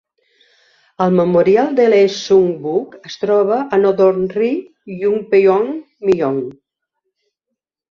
El Memorial de Lee Seung-bok es troba a Nodong-ri, Yongpyeong-myeon.